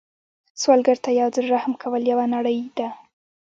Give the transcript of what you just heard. سوالګر ته یو ځل رحم کول یوه نړۍ ده